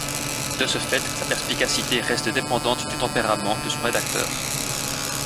De ce fait, sa perspicacité reste dépendante du tempérament de son rédacteur.